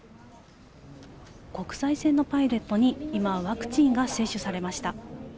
国際線のパイロットに今、ワクチンが接種されました。